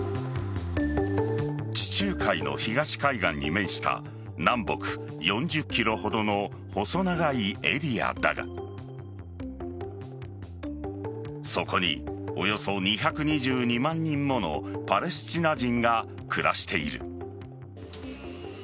地中海の東海岸に面した南北４０ｋｍほどの細長いエリアだがそこに、およそ２２２万人ものパレスチナ人が暮らしている。